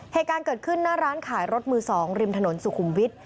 เหตุการณ์เกิดขึ้นหน้าร้านขายรถมือ๒ริมถนนสุขุมวิทย์